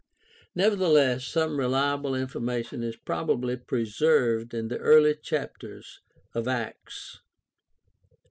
Nevertheless some reliable information is probably preserved in the early chapters of Acts.